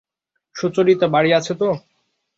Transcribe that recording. সুচরিতা বাড়ি আছে তো?